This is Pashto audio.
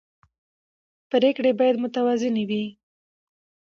پرېکړې باید متوازنې وي